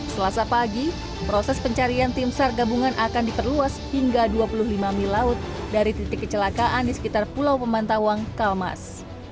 selasa pagi proses pencarian tim sar gabungan akan diperluas hingga dua puluh lima mil laut dari titik kecelakaan di sekitar pulau pemantauan kalmas